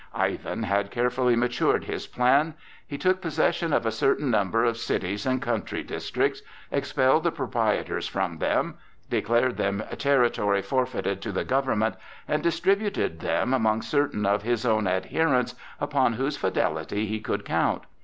Ivan had carefully matured his plan. He took possession of a certain number of cities and country districts, expelled the proprietors from them, declared them territory forfeited to the government, and distributed them among certain of his own adherents upon whose fidelity he could count.